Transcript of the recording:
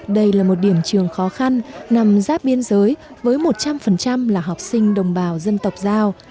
đây là một điểm trường khó khăn nằm giáp biên giới với một trăm linh là học sinh đồng bào dân tộc giao